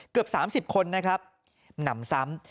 เกือบ๓๐คนนะครับหนำซ้ำ